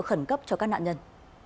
khẩn cấp cho các nạn nhân